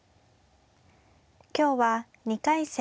今日は２回戦